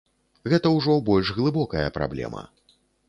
Гэта ўжо больш глыбокая праблема.